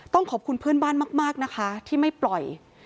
ขอบคุณเพื่อนบ้านมากนะคะที่ไม่ปล่อย